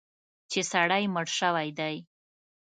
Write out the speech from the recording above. چې سړی مړ شوی دی.